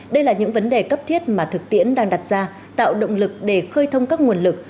đây là những vấn đề cấp thiết mà thực tiễn đang đặt ra tạo động lực để khơi thông các nguồn lực